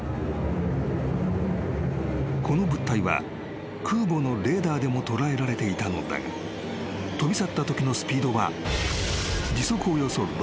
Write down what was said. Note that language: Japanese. ［この物体は空母のレーダーでも捉えられていたのだが飛び去ったときのスピードは時速およそ６，０００キロ］